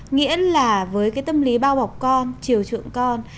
nghĩa là với cái tâm lý bao bọc con chiều trượng con